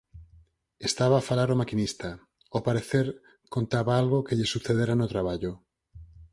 Estaba a falar o maquinista; ao parecer, contaba algo que lle sucedera no traballo.